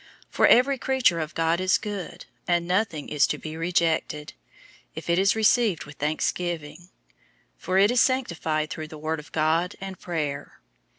004:004 For every creature of God is good, and nothing is to be rejected, if it is received with thanksgiving. 004:005 For it is sanctified through the word of God and prayer.